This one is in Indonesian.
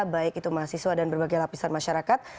baik itu mahasiswa dan berbagai lapisan masyarakat